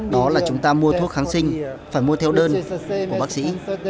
đó là chúng ta mua thuốc kháng sinh phải mua theo đơn của bác sĩ